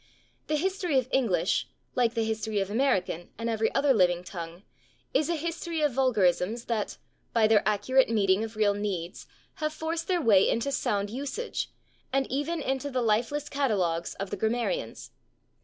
The history of English, like the history of American and every other living tongue, is a history of vulgarisms that, by their accurate meeting of real needs, have forced their way into sound usage, and even into the lifeless catalogues of the grammarians.